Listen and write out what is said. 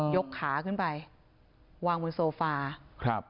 ยกขาขึ้นไปวางบนโซฟา